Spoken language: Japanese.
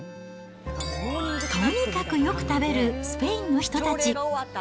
とにかくよく食べるスペインの人たち。